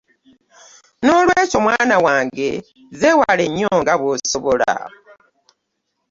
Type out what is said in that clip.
Nolwekyo mwana wange zewale nnyo nga bwosobola .